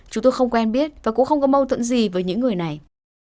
chúng tôi không quen biết và cũng không có mâu thuẫn gì với những người này